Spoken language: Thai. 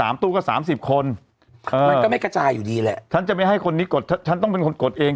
มันก็ไม่กระจายอยู่ดีแหละฉันจะไม่ให้คนนี้กดฉันต้องเป็นคนกดเอง